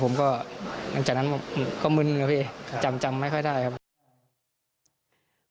ผมก็จากนั้นก็มื้องึงครับพี่จำไม่ค่อยได้ครับ